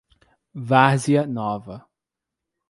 Várzea Nova